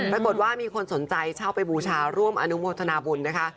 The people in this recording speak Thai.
ปรากฏว่ามีคนสนใจเช่าไปบูชาร่วมอนุโมทนาบุญนะคะ